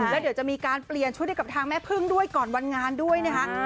แล้วเดี๋ยวจะมีการเปลี่ยนชุดให้กับทางแม่พึ่งด้วยก่อนวันงานด้วยนะคะ